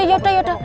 ya yaudah yaudah